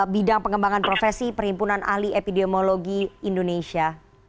bidang pengembangan profesi perhimpunan ahli epidemiologi indonesia